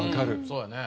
そうやね。